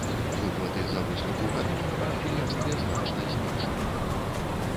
Выплаты за выслугу гадоў на прадпрыемстве значна зменшаныя.